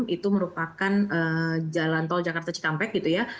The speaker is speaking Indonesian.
itu merupakan jalan tol jakarta cikampek gitu ya